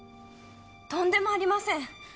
とんでもありません！